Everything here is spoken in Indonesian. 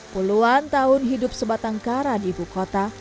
puluhan tahun hidup sebatang kara di ibu kota